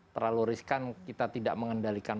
terlalu riskan kita tidak mengendalikan